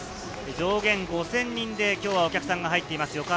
上限５０００人で今日はお客さんが入っています。